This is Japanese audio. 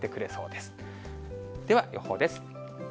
では予報です。